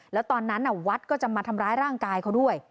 แล้วตอนนั้นวัดก็จะมาทำร้ายร่างกายเขาด้วย